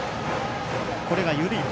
これが緩い球。